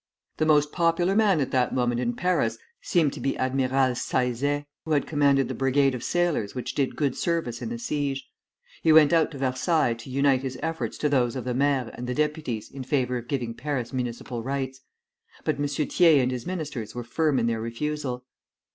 The most popular man at that moment in Paris seemed to be Admiral Seisset, who had commanded the brigade of sailors which did good service in the siege. He went out to Versailles to unite his efforts to those of the maires and the deputies in favor of giving Paris municipal rights; but M. Thiers and his ministers were firm in their refusal.